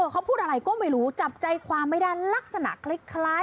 เขาพูดอะไรก็ไม่รู้จับใจความไม่ได้ลักษณะคล้าย